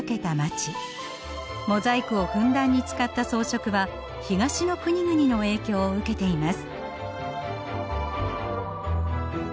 モザイクをふんだんに使った装飾は東の国々の影響を受けています。